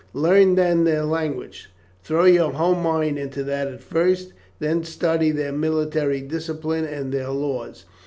Learn then their language, throw your whole mind into that at first, then study their military discipline and their laws.